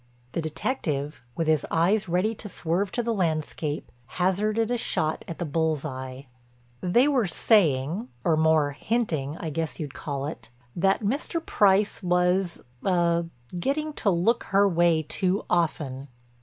The detective, with his eyes ready to swerve to the landscape, hazarded a shot at the bull's eye. "They were saying—or more hinting I guess you'd call it—that Mr. Price was—er—getting to look her way too often."